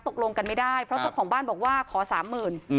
ตกลงกันไม่ได้เพราะเจ้าของบ้านบอกว่าขอสามหมื่น